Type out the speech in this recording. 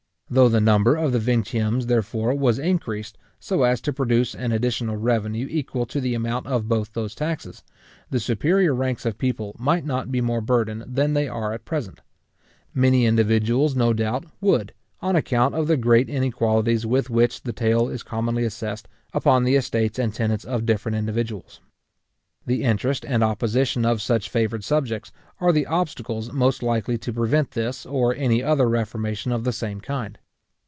Though the number of the vingtiemes, therefore, was increased, so as to produce an additional revenue equal to the amount of both those taxes, the superior ranks of people might not be more burdened than they are at present; many individuals, no doubt, would, on account of the great inequalities with which the taille is commonly assessed upon the estates and tenants of different individuals. The interest and opposition of such favoured subjects, are the obstacles most likely to prevent this, or any other reformation of the same kind.